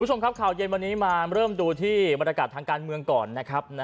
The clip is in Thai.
คุณผู้ชมครับข่าวเย็นวันนี้มาเริ่มดูที่บรรยากาศทางการเมืองก่อนนะครับ